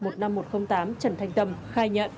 trần thanh tâm khai nhận